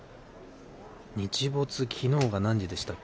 日没、きのうが何時でしたっけ。